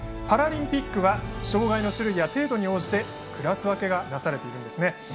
パラリンピックは障がいの種類や程度に応じてクラス分けがなされているんですね。